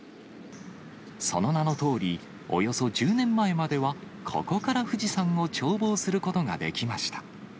その名のとおり、およそ１０年前までは、ここから富士山を眺望することができました。